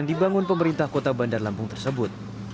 yang dibangun pemerintah kota bandar lampung tersebut